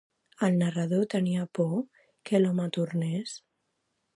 El narrador tenia por que l'home tornés?